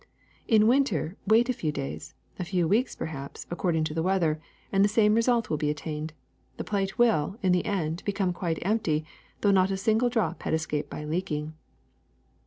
In winter wait a few days, a few weeks perhaps, according to the weather, and the same result will be attained: the plate will, in the end, become quite empty although not a single drop has escaped by leaking.